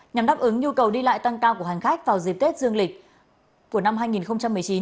nhằm đáp ứng nhu cầu đi lại tăng cao của hành khách vào dịp tết dương lịch của năm hai nghìn một mươi chín